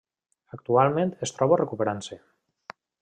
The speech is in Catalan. Actualment es troba recuperant-se.